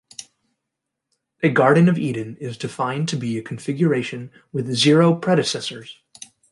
A Garden of Eden is defined to be a configuration with zero predecessors.